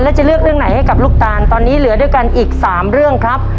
แล้วจะเลือกเรื่องไหนให้กับลูกตานตอนนี้เหลือด้วยกันอีก๓เรื่องครับ